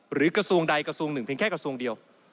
กระทรวงใดกระทรวงหนึ่งเพียงแค่กระทรวงเดียว